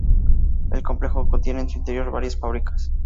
El complejo contiene en su interior varias fábricas.